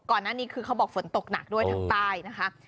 ก่อนนั้นนี่คือเขาบอกฝนตกหนักด้วยทางใต้